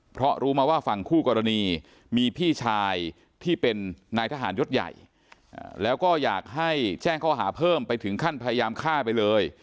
เพราะรู้มาว่าฝั่งคู่กรณีมีพี่ชายที่เป็นนายทหารยศใหญ่แล้วก็อยากให้แจ้งข้อหาเพิ่มไปถึงขั้นพยายามฆ่าไปเลย